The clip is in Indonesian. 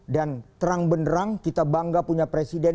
dan terang benerang kita bangga punya presiden